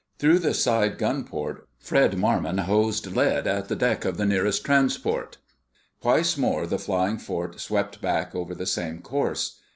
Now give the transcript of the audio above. Through the side gun port Fred Marmon hosed lead at the deck of the nearest transport. Twice more the flying fort swept back over the same course.